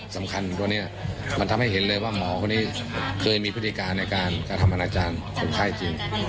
สำคัญตัวนี้มันทำให้เห็นเลยว่าหมอคนนี้เคยมีพฤติการในการกระทำอนาจารย์คนไข้จริง